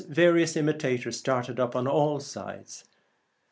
Various imitators started up upon all sides.